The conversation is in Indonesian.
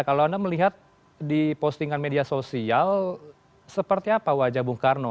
kalau anda melihat di postingan media sosial seperti apa wajah bung karno